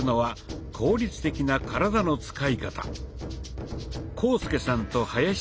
はい。